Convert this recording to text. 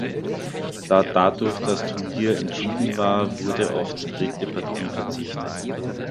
Da dadurch das Turnier entschieden war wurde auf die dritte Partie verzichtet.